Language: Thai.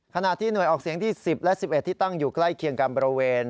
ขณะที่หน่วยออกเสียงที่๑๐และ๑๑ที่ตั้งอยู่ใกล้เคียงกันบริเวณ